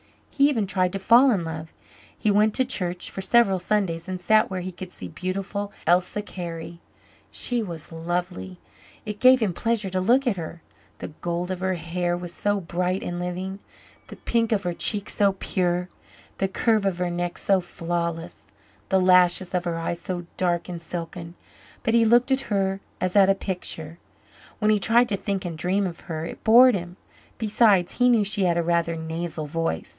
He even tried to fall in love; he went to church for several Sundays and sat where he could see beautiful Elsa Carey. She was lovely it gave him pleasure to look at her; the gold of her hair was so bright and living; the pink of her cheek so pure, the curve of her neck so flawless, the lashes of her eyes so dark and silken. But he looked at her as at a picture. When he tried to think and dream of her, it bored him. Besides, he knew she had a rather nasal voice.